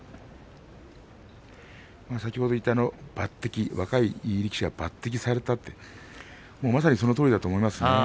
先ほど言った若い力士が抜てきされたまさにそのとおりだと思います。